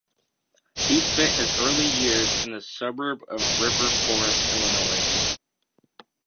He spent his early years in the suburb of River Forest, Illinois.